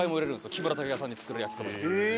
木村拓哉さんに作る焼きそばに。